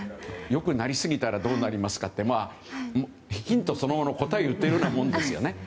良くなりすぎたらどうなりますかってヒントそのもの、答えを言っているようなものですよね。